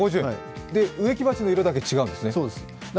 植木鉢の色だけ違うんですね。